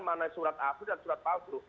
mana surat asli dan surat palsu